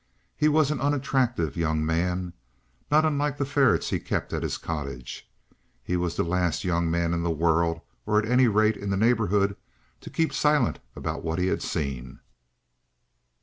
He was an unattractive young man, not unlike the ferrets he kept at his cottage. He was the last young man in the world, or at any rate in the neighbourhood, to keep silent about what he had seen.